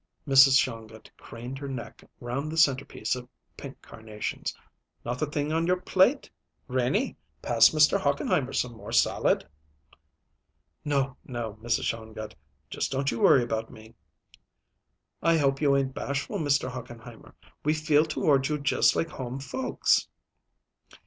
Mrs. Shongut craned her neck round the centerpiece of pink carnations. "Not a thing on your plate! Renie, pass Mr. Hochenheimer some more salad." "No, no, Mrs. Shongut; just don't you worry about me." "I hope you ain't bashful, Mr. Hochenheimer. We feel toward you just like home folks."